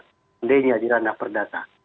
sebenarnya di randa perdata